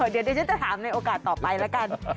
เดี๋ยวดิฉันจะถามในโอกาสต่อไปแล้วกัน